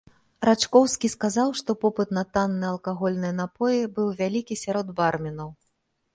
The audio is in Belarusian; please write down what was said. Рачкоўскі сказаў, што попыт на танныя алкагольныя напоі быў вялікі сярод барменаў.